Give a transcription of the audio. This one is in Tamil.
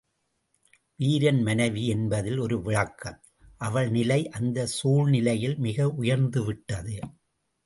வீரன் மனைவி என்பதில் ஒரு விளக்கம், அவள் நிலை அந்தச் சூழ்நிலையில் மிக உயர்ந்து விட்டது.